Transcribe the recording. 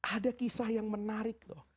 ada kisah yang menarik loh